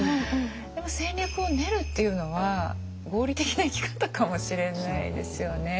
でも戦略を練るっていうのは合理的な生き方かもしれないですよね。